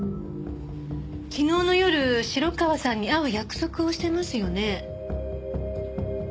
昨日の夜城川さんに会う約束をしてますよね？